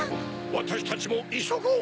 わたしたちもいそごう。